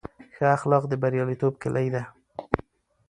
ښه اخلاق د بریالیتوب کیلي ده.